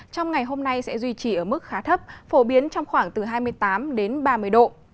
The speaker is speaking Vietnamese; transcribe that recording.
trong ngày hôm nay sẽ duy trì ở mức khá thấp phổ biến trong khoảng từ hai mươi tám đến ba mươi độ